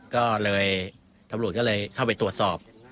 ก็เลยตำรวจก็เลยเข้าไปตรวจสอบ